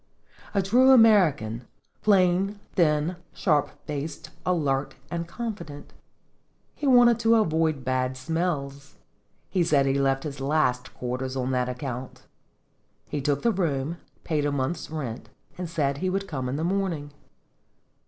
A true American, plain, thin, sharp faced, alert, and confident. He wanted to avoid bad smells; he said he left his last quarters on that account. He took the room, paid a month's rent, and said he would come in the morning.